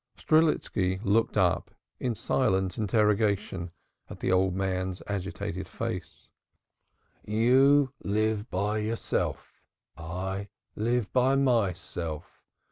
Strelitski looked up in silent interrogation at the old man's agitated face. "You live by yourself. I live by myself.